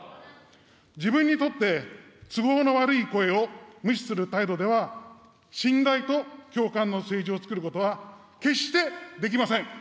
自分にとって都合の悪い声を無視する態度では信頼と共感の政治をつくることは決してできません。